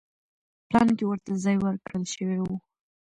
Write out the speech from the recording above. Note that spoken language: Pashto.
پلان کې ورته ځای ورکړل شوی و.